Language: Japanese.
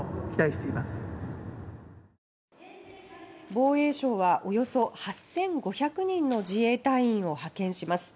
防衛省はおよそ８５００人の自衛隊員を派遣します。